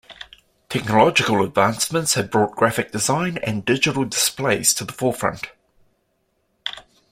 Technological advancements have brought graphic design and digital displays to the forefront.